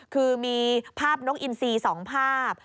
คือมีภาพนกอินซี๒ภาพ